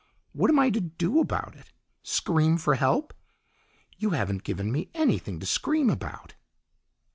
"What am I to do about it scream for help? You haven't given me anything to scream about."